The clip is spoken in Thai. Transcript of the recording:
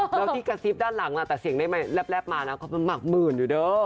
แล้วก็ที่กระซิบด้านหลังแต่เหล็บมามักหมื่นอยู่เด้อ